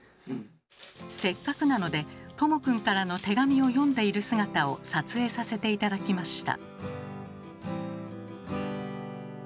せっかくなのでとも君からの手紙を読んでいる姿を撮影させて頂きました。